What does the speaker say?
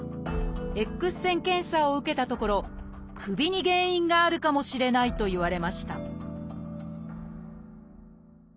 Ｘ線検査を受けたところ首に原因があるかもしれないと言われました